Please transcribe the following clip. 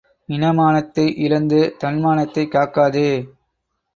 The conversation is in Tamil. இனமானத்தை இழந்து தன்மானத்தைக் காக்காதே!